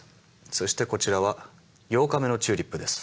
そして、こちらは８日目のチューリップです。